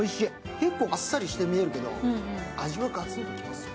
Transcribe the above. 結構あっさりして見えるけど、味はガツンとしてますよ。